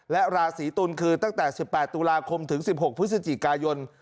และราศีตุลคือตั้งแต่สิบแปดตุลาคมถึงสิบหกพฤษฎีกายน